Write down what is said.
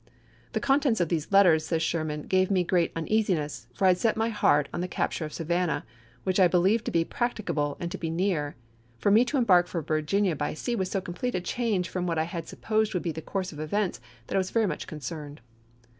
"The contents of these letters," says Sherman, " gave me great uneasiness, for I had set my heart on the capture of Savannah, which I believed to be prac ticable and to be near ; for me to embark for Vir ginia by sea was so complete a change from what I had supposed would be the course of events ibid. that I was very much concerned."